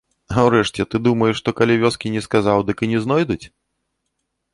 А ўрэшце, ты думаеш, што калі вёскі не сказаў, дык і не знойдуць?